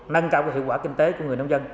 nâng cao hiệu quả kinh tế của người nông dân